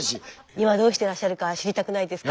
今どうしてらっしゃるか知りたくないですか？